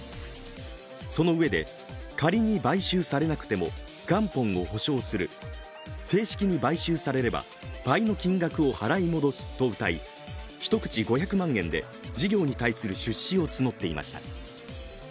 そのうえで、仮に買収されなくても元本を保証する、正式に買収されれば倍の金額を払い戻すとうたい、１口５００万円で事業に対する出資を募っていました。